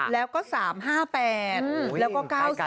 แล้วก็๓๕๘แล้วก็๙๔